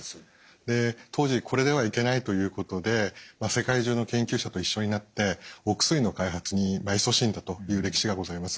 で当時これではいけないということで世界中の研究者と一緒になってお薬の開発にいそしんだという歴史がございます。